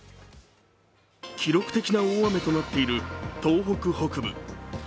記録的な大雨となっている東北北部。